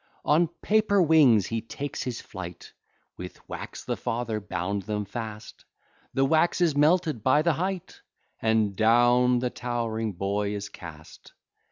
On paper wings he takes his flight, With wax the father bound them fast; The wax is melted by the height, And down the towering boy is cast.